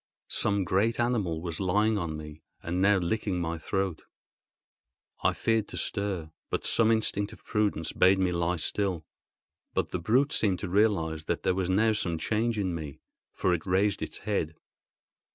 Some great animal was lying on me and now licking my throat. I feared to stir, for some instinct of prudence bade me lie still; but the brute seemed to realise that there was now some change in me, for it raised its head.